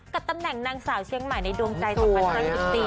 ก็ตำแหน่งนางสาวเชียงใหม่ในดวงใจของผู้ชายปกติ